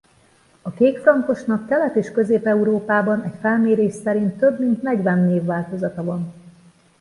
A kékfrankosnak Kelet- és Közép-Európában egy felmérés szerint több mint negyven névváltozata van.